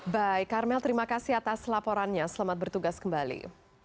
baik karmel terima kasih atas laporannya selamat bertugas kembali